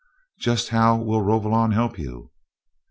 "Just how will Rovolon help you?"